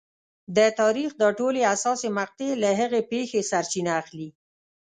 د تاریخ دا ټولې حساسې مقطعې له هغې پېښې سرچینه اخلي.